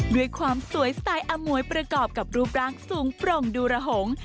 ด้วยความสวยสไตล์อมวยประกอบกับรูปร่างสูงโปร่งดูระหง